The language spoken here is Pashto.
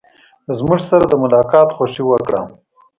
زموږ سره د ملاقات خوښي وکړه.